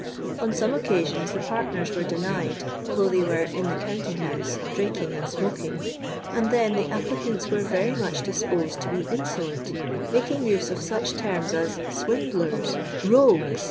On some occasions the partners were denied, although they were in the counting house, drinking and smoking; and then the applicants were very much disposed to be insolent, making use of such terms as 'swindlers,' 'rogues,' &c.